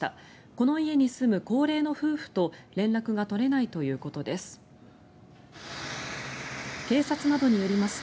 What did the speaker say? この家に住む高齢の夫婦と連絡が取れないということです。